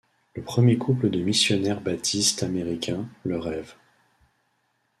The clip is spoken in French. Le premier couple de missionnaires baptistes américains, le Rev.